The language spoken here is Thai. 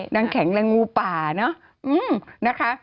นางแข็งแรงงูป่าเนอะอื้มนะคะ